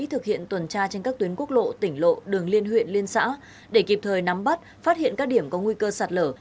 thực hiện tuần tra trên các tuyến quốc lộ tỉnh lộ đường liên huyện liên xã để kịp thời nắm bắt phát hiện các điểm có nguy cơ sạt lở